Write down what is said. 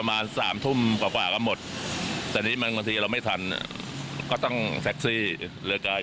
นานจะมีสักคันสองคันอะไรประมาณนี้ค่ะ